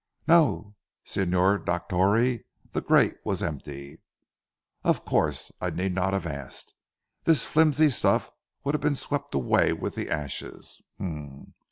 "No, Signor Dottore. The grate was empty." "Of course. I need not have asked. This flimsy stuff would have been swept away with the ashes.